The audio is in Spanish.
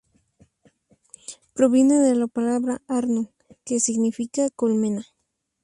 Proviene de la palabra "Arno", que significa colmena.